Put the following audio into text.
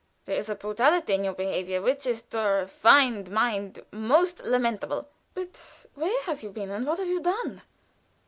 There is a brutality in your behavior which is to a refined mind most lamentable." "But where have you been, and what have you done?"